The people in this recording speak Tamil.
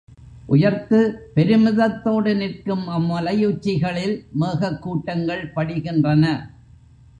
உயர்த்து பெருமிதத்தோடு நிற்கும் அம் மலையுச்சிகளில் மேகக் கூட்டங்கள் படிகின்றன.